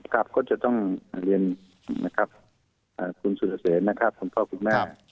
ครับก็จะต้องเรียนคุณสุธิศักดิ์นะครับคุณพ่อคุณแม่